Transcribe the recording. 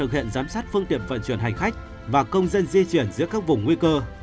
sở cũng phối hợp với các phương tiện vận chuyển hành khách và công dân di chuyển giữa các vùng nguy cơ